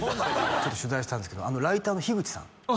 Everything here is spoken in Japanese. ちょっと取材したんですけどあのライターの樋口さん